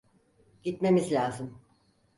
Gitmemiz lâzım.